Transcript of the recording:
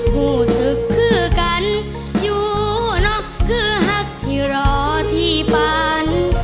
รู้สึกคือกันอยู่นอกคือหักที่รอที่ฝัน